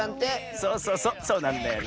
そうそうそうそうなんだよね。